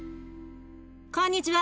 こんにちは。